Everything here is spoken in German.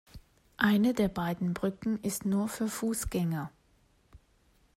Eine der beiden Brücken ist nur für Fußgänger.